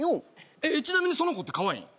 えっちなみにその子ってかわいい？